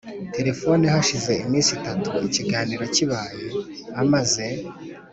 telefoni hashize iminsi itatu ikiganiro kibaye. amaze